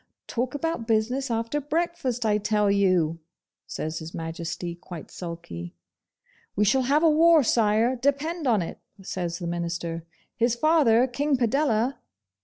'Talk about business after breakfast, I tell you!' says His Majesty, quite sulky. 'We shall have a war, Sire, depend on it,' says the Minister. 'His father, King Padella.